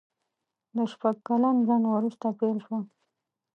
له شپږ کلن ځنډ وروسته پېل شوه.